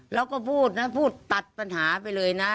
แล้วก็พูดนะพูดตัดปัญหาไปเลยนะ